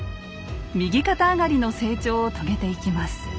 右肩上がりの成長を遂げていきます。